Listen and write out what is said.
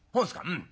「うん。